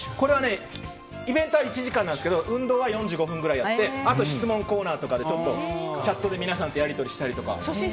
イベントは１時間ですが運動は４５分やってあとは質問コーナーとかでチャットで皆さんとやり取りしたりとか。